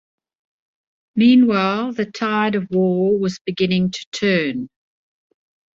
Meanwhile, the tide of war was beginning to turn.